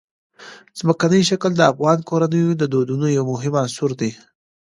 ځمکنی شکل د افغان کورنیو د دودونو یو مهم عنصر دی.